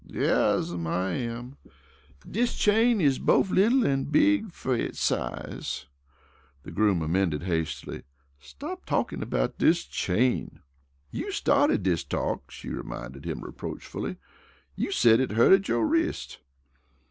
"Yes'm, it am dis chain is bofe little an' big fer its size," the groom amended hastily. "Stop talkin' about dis chain!" "You started dis talk," she reminded him reproachfully. "You said it hurted yo' wrist."